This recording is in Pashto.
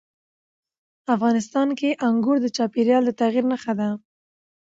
افغانستان کې انګور د چاپېریال د تغیر نښه ده.